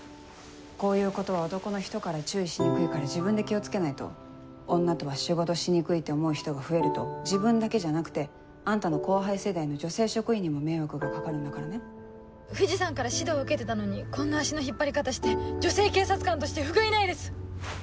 こういうことは男の人から注意しにくいから自分で気を付けないと女とは仕事しにくいって思う人が増えると自分だけじゃなくてあんたの後輩世代の女性職員にも迷惑が掛かるんだからね藤さんから指導受けてたのにこんな足の引っ張り方して女性警察官としてふがいないです。